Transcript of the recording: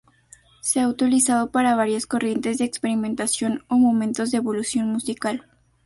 Se ha utilizado para varias corrientes de experimentación o momentos de evolución musical.